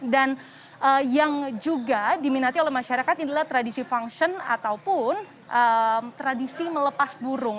dan yang juga diminati oleh masyarakat adalah tradisi function ataupun tradisi melepas duit